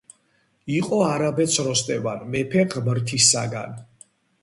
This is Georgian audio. იყო არაბეთს როსტევან მეფე ღმრთისაგან